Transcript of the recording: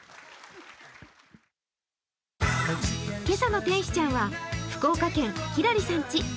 今朝の天使ちゃんは福岡県きらりさん家。